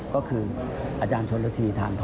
ก็คืออาจารย์ชนฤธีทานทอง